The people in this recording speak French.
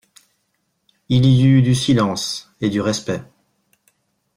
Il y eut du silence et du respect.